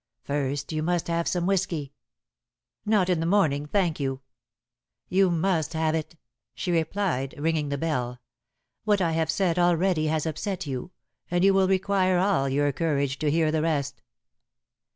First you must have some whiskey." "Not in the morning, thank you." "You must have it!" she replied, ringing the bell. "What I have said already has upset you, and you will require all your courage to hear the rest."